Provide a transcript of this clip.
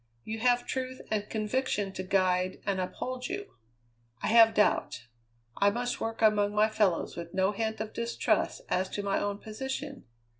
You have truth and conviction to guide and uphold you. I have doubt. I must work among my fellows with no hint of distrust as to my own position.